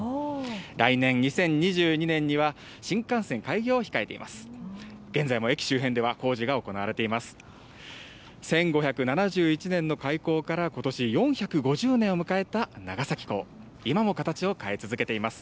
来年２０２２年には新幹線開業を控えています。